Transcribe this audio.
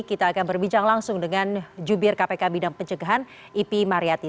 kita akan berbincang langsung dengan jubir kpk bidang pencegahan ipi mariyati